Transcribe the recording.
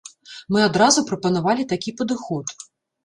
Мы адразу прапанавалі такі падыход.